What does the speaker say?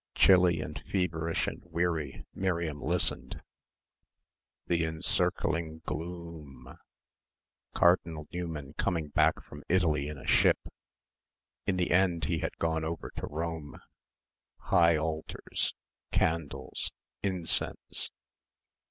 Chilly and feverish and weary Miriam listened ... "the encircling glooo om" ... Cardinal Newman coming back from Italy in a ship ... in the end he had gone over to Rome ... high altars ... candles ... incense